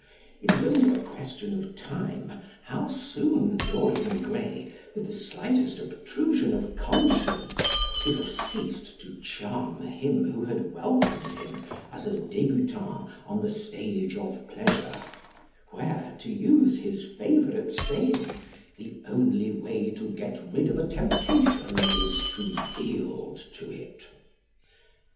it is only a question of time how soon Dorian Gray, with the slightest obtrusion of conscience, would have ceased to charm him who had welcomed him as a débutant on the Stage of Pleasure, where, to use his favourite saying, "the only way to get rid of a temptation is to yield to it."